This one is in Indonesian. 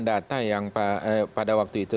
data yang pada waktu itu